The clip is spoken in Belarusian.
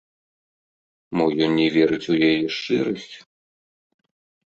Мо ён не верыць у яе шчырасць?